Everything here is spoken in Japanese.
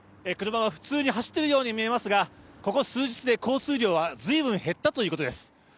車は普通に走っているように見えますが、ここ数日で交通量はずいぶん減ったということです。